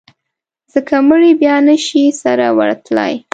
ځکه مړي بیا نه شي سره ورتلای.